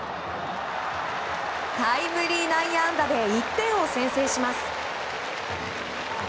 タイムリー内野安打で１点を先制します。